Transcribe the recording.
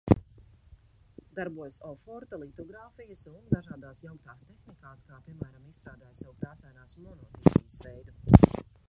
Darbojas oforta, litogrāfijas un dažādās jauktās tehnikās kā, piemēram, izstrādājis savu krāsainās monotipijas veidu.